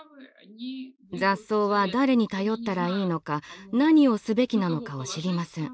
雑草は誰に頼ったらいいのか何をすべきなのかを知りません。